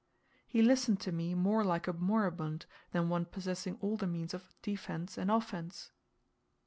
He listened to me, more like a moribund, than one possessing all the means of defence and offence.